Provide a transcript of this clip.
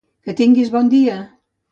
Que tinguis bon dia!